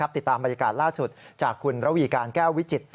ติดตามบรรยากาศล่าสุดจากคุณระวีการแก้ววิจิตร